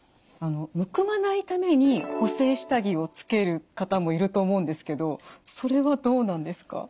むくまないために補正下着をつける方もいると思うんですけどそれはどうなんですか？